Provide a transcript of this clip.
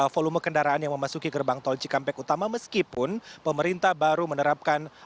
volume kendaraan yang memasuki gerbang tol cikampek utama meskipun pemerintah baru menerapkan